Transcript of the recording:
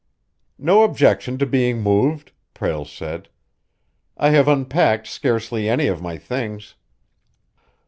"No objection to being moved," Prale said. "I have unpacked scarcely any of my things."